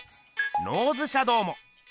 ノーズシャドウも。